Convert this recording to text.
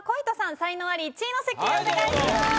才能アリ１位の席へお願いします。